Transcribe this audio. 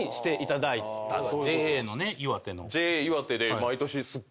ＪＡのね岩手の。